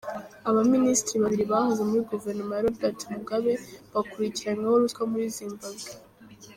Abaminisitiri babiri bahoze muri Guverinoma ya Robert Mugabe bakurikiranyweho ruswa muri Zimbabwe.